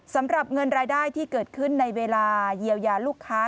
สำหรับเงินรายได้ที่เกิดขึ้นในเวลาเยียวยาลูกค้า